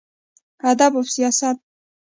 ادب او سياست: